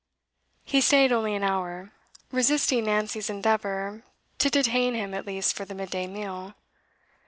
He stayed only an hour, resisting Nancy's endeavour to detain him at least for the mid day meal.